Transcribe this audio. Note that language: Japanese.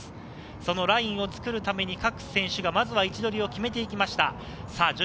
そのラインを作るために各選手がまずは位置取りを決めました。